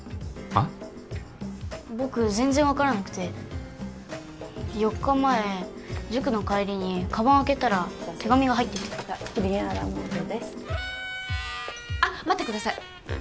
僕全然分からなくて４日前塾の帰りにカバン開けたら手紙が入ってて・プリンアラモードですあっ待ってください